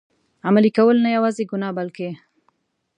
عملي کول، نه یوازي ګناه بلکه.